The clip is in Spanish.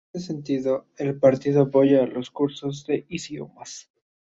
En este sentido, el partido apoya a los cursos de idiomas.